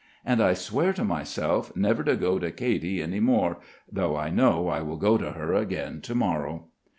And I swear to myself never to go to Katy any more, though I know I will go to her again to morrow.